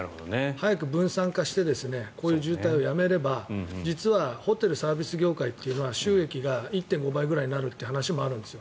早く分散化してこういう渋滞をやめれば実はホテルサービス業界というのは収益が１．５倍ぐらいになるという話もあるんです。